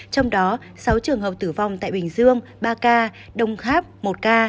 trong đó sáu trường hợp tử vong tại bình dương ba ca đồng tháp một ca